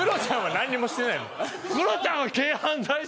何にもしてない。